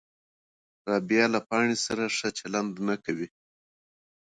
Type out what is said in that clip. رابعه له پاڼې سره ښه چلند نه کوي.